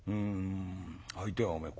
相手はおめえ